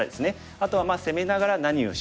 あとは攻めながら何をしようか。